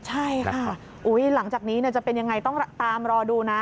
ใช่ค่ะหลังจากนี้จะเป็นยังไงต้องตามรอดูนะ